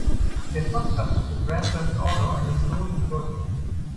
Der Schrottplatz hat für Grand Theft Auto eine historische Bedeutung.